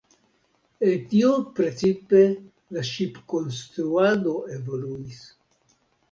El tio precipe la ŝipkonstruado evoluis.